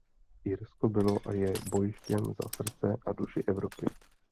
Irsko bylo a je bojištěm za srdce a duši Evropy.